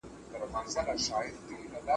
ستا لــه مسکا نـه مـې الهام واخيسـتو